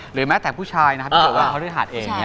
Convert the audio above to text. หรือแม้แต่ผู้ชายนะครับเพราะว่าเขารื่นหาดเอง